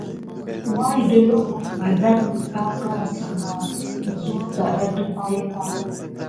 Wazldé naku azanke aoura siva muzutada de pay ka.